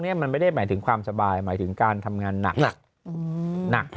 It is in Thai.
นี่มันไม่ได้หมายถึงความสบายหมายถึงการทำงานหนักหนัก